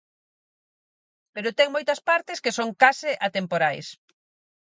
Pero ten moitas partes que son case atemporais.